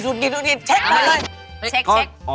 อุ๊ดดิด